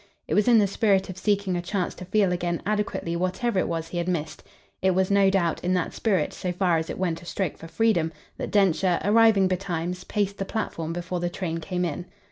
It was in the spirit of seeking a chance to feel again adequately whatever it was he had missed it was, no doubt, in that spirit, so far as it went a stroke for freedom, that Densher, arriving betimes, paced the platform before the train came in.